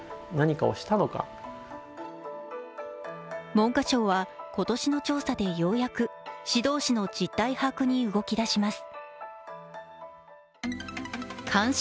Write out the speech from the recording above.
文科省は今年の調査でようやく指導死の実態把握に動き出します。